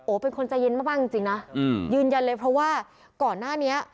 เป็นคนใจเย็นมากจริงนะยืนยันเลยเพราะว่าก่อนหน้านี้